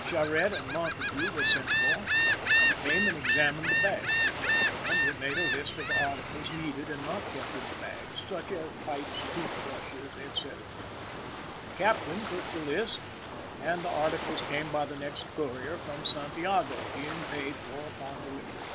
Cha rette and Montague were sent for, and came and examined the bags ; and we made a list of the arti cles needed and not kept in the bags, such as pipes, tooth brushes, etc. The captain took the list, and the articles came by the next courier from Santi ago, being paid for upon delivery.